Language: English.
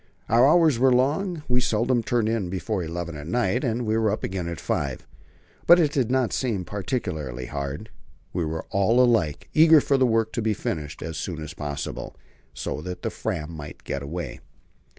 Our hours were long; we seldom turned in before eleven at night, and were up again at five. But it did not seem particularly hard; we were all alike eager for the work to be finished as soon as possible, so that the Fram might get away.